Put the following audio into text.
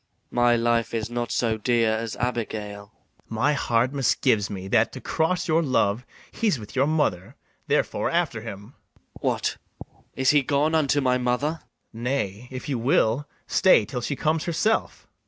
My life is not so dear as Abigail. BARABAS. My heart misgives me, that, to cross your love, He's with your mother; therefore after him. MATHIAS. What, is he gone unto my mother? BARABAS. Nay, if you will, stay till she comes herself.